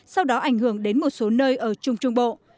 sau đó ảnh hưởng đến một số nơi ở trung trung bộ